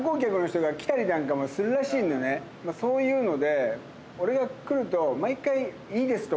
そういうので。